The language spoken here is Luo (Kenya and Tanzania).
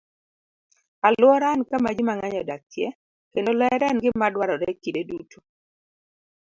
Alwora en kama ji mang'eny odakie, kendo ler en gima dwarore kinde duto.